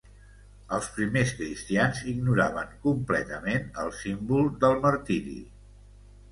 Els primers cristians ignoraven completament el símbol del martiri.